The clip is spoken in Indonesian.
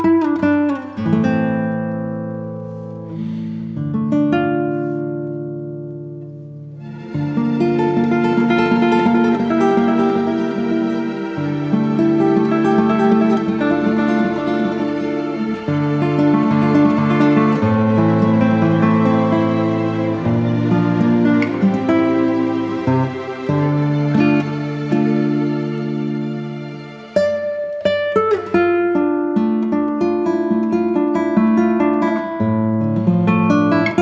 gimana kalau mbak bang didi nanya